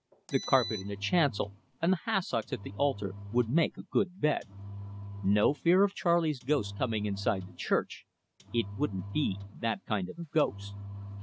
The carpet in the chancel and the hassocks at the altar would make a good bed. No fear of Charley's ghost coming inside the church it wouldn't be that kind of a ghost.